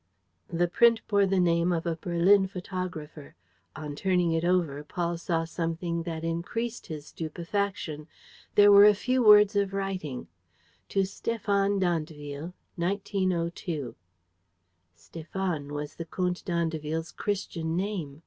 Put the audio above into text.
The print bore the name of a Berlin photographer. On turning it over, Paul saw something that increased his stupefaction. There were a few words of writing: "To Stéphane d'Andeville. 1902." Stéphane was the Comte d'Andeville's Christian name!